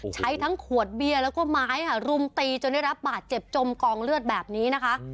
ใช้ทั้งขวดเบี้ยแล้วก็ไม้ค่ะรุมตีจนได้รับบาดเจ็บจมกองเลือดแบบนี้นะคะ